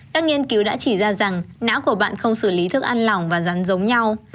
các nghiên cứu đã chỉ ra rằng não của bạn không xử lý thức ăn lỏng và rắn giống nhau